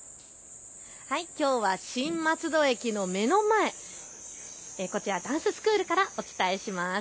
きょうは新松戸駅の目の前、こちらダンススクールからお伝えします。